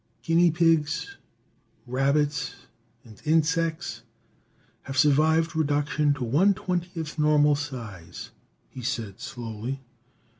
"Guinea pigs, rabbits and insects have survived reduction to one twentieth normal size," he said slowly.